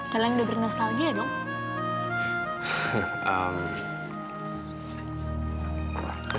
kalian udah bernostalgia dong